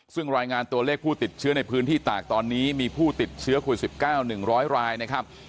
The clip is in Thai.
ซึ่งรายงานตัวเลขผู้ติดเชื้อในพื้นที่ตากตอนนี้มีผู้ติดเชื้อโควิด๑๙๑๐๐รายนะครับ